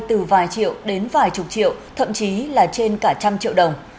từ vài triệu đến vài chục triệu thậm chí là trên cả trăm triệu đồng